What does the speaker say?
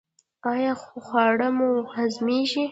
ایا خواړه مو هضمیږي؟